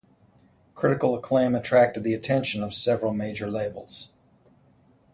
Critical acclaim attracted the attention of several major labels.